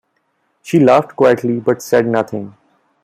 She laughed quietly, but said nothing.